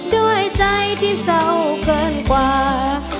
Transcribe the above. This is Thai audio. ด้วยใจที่เศร้าเกินกว่า